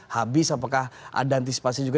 habis apakah ada antisipasi juga